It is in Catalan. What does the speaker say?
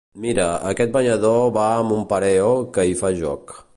Mira, aquest banyador va amb un pareo que hi fa joc.